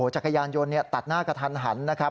จักรยานยนต์ตัดหน้ากระทันหันนะครับ